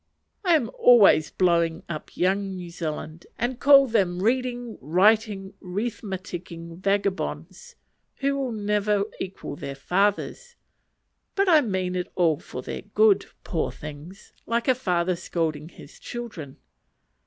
I am always blowing up "Young New Zealand," and calling them "reading, riting, rethmatiking" vagabonds, who will never equal their fathers; but I mean it all for their good (poor things!) like a father scolding his children.